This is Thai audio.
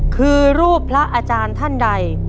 คือรูปพระอาจารย์ท่านใด